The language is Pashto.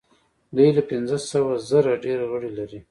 دوی له پنځه سوه زره ډیر غړي لري.